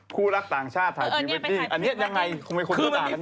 ผู้รักต่างชาติถ่ายพรีเวดดิ่งอันนี้ยังไงคงไม่คุณรู้ต่างั้นอย่างเงี้ย